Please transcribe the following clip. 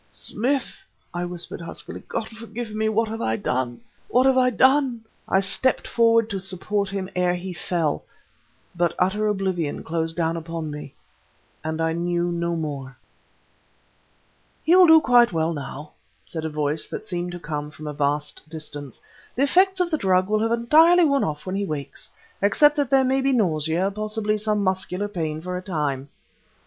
"Smith!" I whispered huskily "God forgive me, what have I done? What have I done?" I stepped forward to support him ere he fell; but utter oblivion closed down upon me, and I knew no more. "He will do quite well now." said a voice that seemed to come from a vast distance. "The effects of the drug will have entirely worn off when he wakes, except that there may be nausea, and possibly muscular pain for a time."